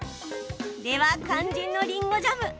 では肝心のりんごジャム